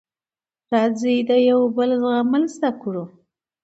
راځی د یوبل زغمل زده کړو